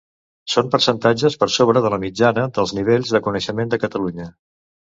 Són percentatges per sobre de la mitjana dels nivells de coneixement de Catalunya.